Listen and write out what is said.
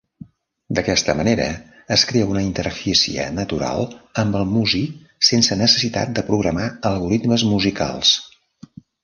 D'aquesta manera es crea una interfície natural amb el músic sense necessitat de programar algoritmes musicals.